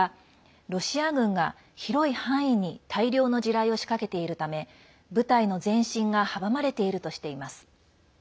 ロシア軍が広い範囲に大量の地雷を仕掛けているため部隊の前進が阻まれているとしています。